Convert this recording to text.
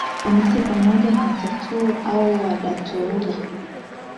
Wamasai pamoja na Wataturu au Wadatooga